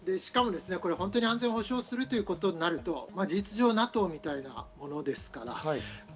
しかも本当に安全保障するということになると事実上、ＮＡＴＯみたいなものですから。